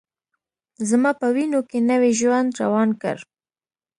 زما په وینوکې نوی ژوند روان کړ